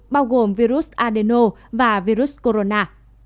bao gồm virus adeno và virus corona